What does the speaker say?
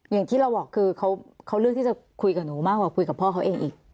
อย่างที่เราบอกคือเขาเลือกที่จะคุยกับหนูมากกว่าคุยกับพ่อเขาเองอีก